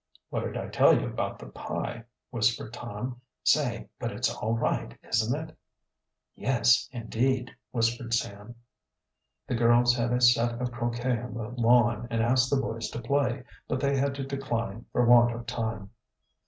"What did I tell you about pie?" whispered Tom. "Say, but it's all right, isn't it?" "Yes, indeed!" whispered Sam. The girls had a set of croquet on the lawn and asked the boys to play, but they had to decline for want of time.